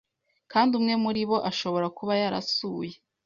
kandi umwe muri bo ashobora kuba yarasuye